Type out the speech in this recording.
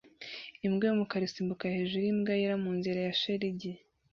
Imbwa yumukara isimbuka hejuru yimbwa yera munzira ya shelegi